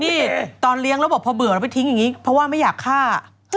นี่ตอนเลี้ยงแล้วบอกพอเบื่อแล้วไปทิ้งอย่างนี้เพราะว่าไม่อยากฆ่า